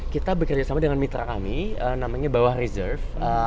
kita bekerja sama dengan mitra kami namanya bawah reserve